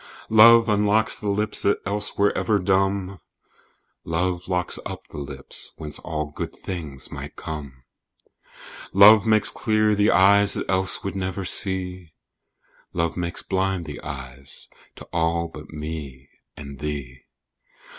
Love unlocks the lips that else were ever dumb: "Love locks up the lips whence all things good might come." Love makes clear the eyes that else would never see: "Love makes blind the eyes to all but me and thee."